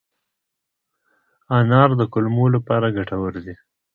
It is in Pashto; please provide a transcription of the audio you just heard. انار د کولمو لپاره ګټور دی.